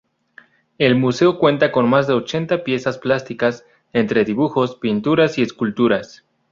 El museo cuenta con más de ochenta piezas plásticas, entre dibujos, pinturas y esculturas.